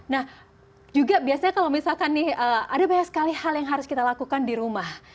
nah juga biasanya kalau misalkan nih ada banyak sekali hal yang harus kita lakukan di rumah